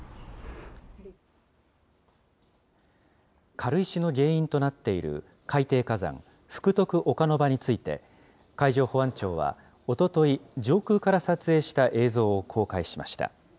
軽石の原因となっている海底火山、福徳岡ノ場について、海上保安庁はおととい、上空から撮影した映像を公開しました。